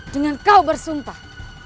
dengan kau bersumpah